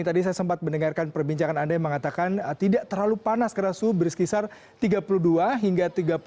tadi saya sempat mendengarkan perbincangan anda yang mengatakan tidak terlalu panas karena suhu berkisar tiga puluh dua hingga tiga puluh